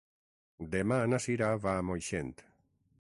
Demà na Cira va a Moixent.